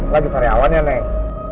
lagi sariawan ya neng